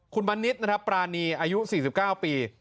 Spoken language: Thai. คุณมณิษฐ์นะครับปรานีอายุ๔๙ปี